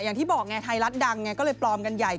อย่างที่บอกไงไทยรัฐดังไงก็เลยปลอมกันใหญ่